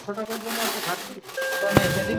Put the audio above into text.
তিনি মূলতঃ অল-রাউন্ডার ছিলেন।